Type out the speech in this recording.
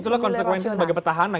itulah konsekuensi sebagai petahana